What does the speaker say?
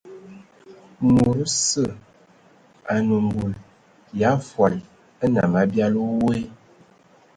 Mod osə anə ngul ya fol nnam abiali woe.